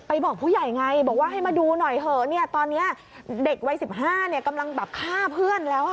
บอกผู้ใหญ่ไงบอกว่าให้มาดูหน่อยเถอะเนี่ยตอนนี้เด็กวัย๑๕เนี่ยกำลังแบบฆ่าเพื่อนแล้ว